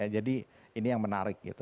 jadi ini yang menarik